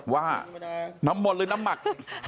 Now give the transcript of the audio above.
ว่าน้ำมนต์หรือน้ำหมัก